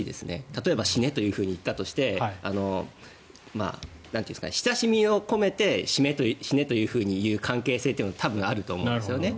例えば死ねと言ったとして親しみを込めて死ねと言うふうに言う関係性って多分あると思うんですよね。